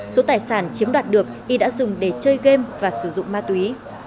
số tài sản chiếm đoạt được y đã dùng để chơi game và sử dụng ma túy